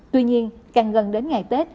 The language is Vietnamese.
tuy nhiên càng gần đến ngày tết